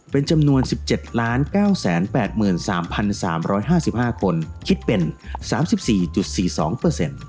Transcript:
เป็นจำนวนสิบเจ็ดล้านเก้าแสนแปดหมื่นสามพันสามร้อยห้าสิบห้าคนคิดเป็นสามสิบสี่จุดสี่สองเปอร์เซ็นต์